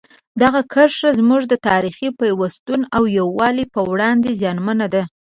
دغه کرښه زموږ د تاریخي پیوستون او یووالي په وړاندې زیانمنه ده.